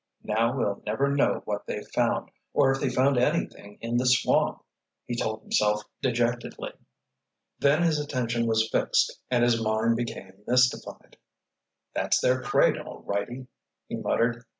"Now we'll never know what they found, or if they found anything in the swamp," he told himself dejectedly. Then his attention was fixed and his mind became mystified. "That's their crate, all righty," he muttered.